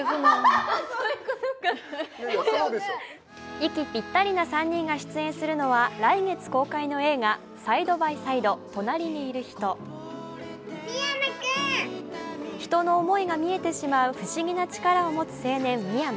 息ぴったりな３人が出演するのは来月公開の映画、「サイドバイサイド隣にいる人」人の思いが見えてしまう不思議な力を持つ青年・未山。